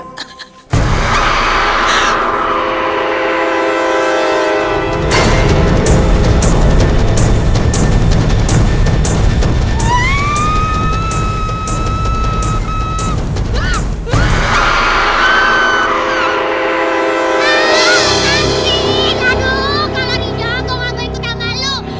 tidak ada siapa siapa lagi